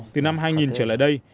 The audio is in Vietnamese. từ năm hai nghìn trở lại đây